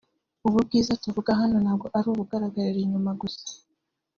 ubu bwiza tuvuga hano ntabwo ari ubugaragarira inyuma gusa